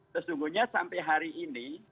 sesungguhnya sampai hari ini